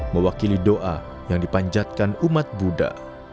mewakili doa yang dipanjatkan umat buddha